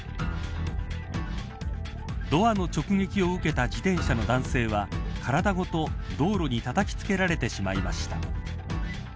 ドアの直撃を受けた自転車の男性は体ごと、道路にたたきつけられてしまいました。